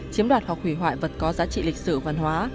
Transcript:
chiếm đoạt hoặc hủy hoại vật có giá trị lịch sử văn hóa